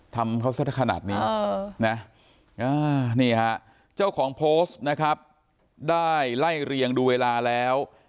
ทำเขาสักขนาดนี้นะนี่ฮะเจ้าของโพสต์นะครับได้ไล่เรียงดูเวลาแล้ว